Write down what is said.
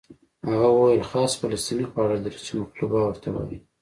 هغه وویل خاص فلسطیني خواړه لري چې مقلوبه ورته وایي.